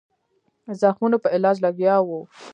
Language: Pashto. زخمونو په علاج لګیا وو.